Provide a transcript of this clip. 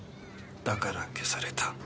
だから消された。